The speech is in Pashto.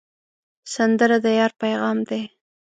سندره د یار پیغام دی